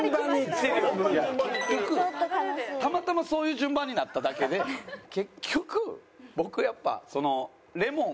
たまたまそういう順番になっただけで結局僕やっぱレモンちゃん？